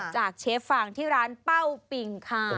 เชฟฟางที่ร้านเป้าปิงค่ะ